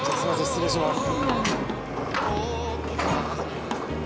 失礼します。